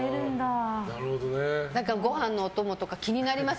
ご飯のお供とか気になります